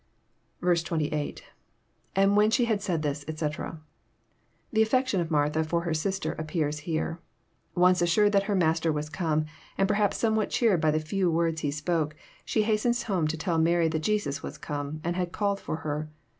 28. — lAnd toAen she had said this, e^c] The affection of Martha for her sister appears here. Once assured that her Master was come, and perhaps somewhat cheered by the few words He spoke, she hastens home to tell Mary that Jesus was come, and had called for her.